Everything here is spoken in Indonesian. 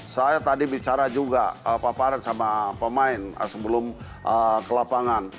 saya tadi bicara juga paparan sama pemain sebelum ke lapangan